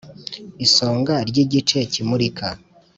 isonga ry'igice kimurika